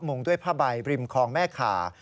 งด้วยผ้าใบริมคลองแม่ขา